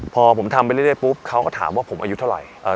พอผมทำไปเรื่อยปุ๊บเขาก็ถามว่าผมอายุเท่าไหร่